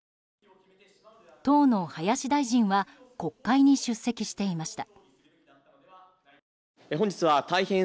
当の林大臣は国会に出席していました。